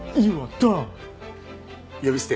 呼び捨て？